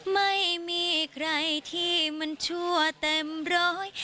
ไม่มีใครที่มันชั่วเต็มร้อย